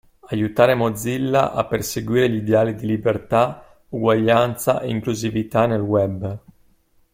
Aiutare Mozilla a perseguire gli ideali di libertà, uguaglianza e inclusività nel web.